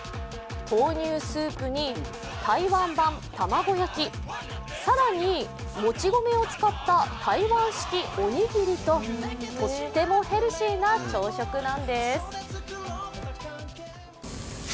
豆乳スープに台湾版卵焼き、さらにもち米を使った台湾式おにぎりととってもヘルシーな朝食なんです。